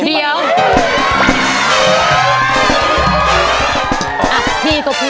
พี่ก็พี่